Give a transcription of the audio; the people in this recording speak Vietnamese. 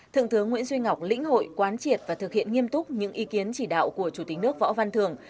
thượng tướng nguyễn duy ngọc lĩnh hội quán triệt và thực hiện nghiêm túc những ý kiến chỉ đạo của chủ tịch nước võ văn thường